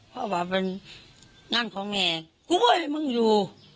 เพราะว่าเป็นงานของแม่กูไม่อยากให้มึงอยู่